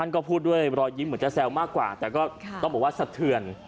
ก็พูดด้วยรอยยิ้มเหมือนจะแซวมากกว่าแต่ก็ต้องบอกว่าสะเทือน